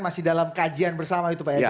masih dalam kajian bersama itu pak ya